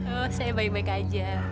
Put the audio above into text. oh saya baik baik aja